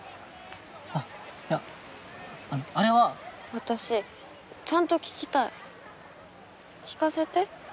あっいやあのあれは私ちゃんと聞きたい聞かせて？